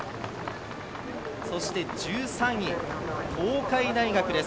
そして１３位・東海大学です。